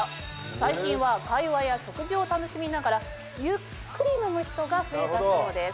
最近は会話や食事を楽しみながらゆっくり飲む人が増えたそうです。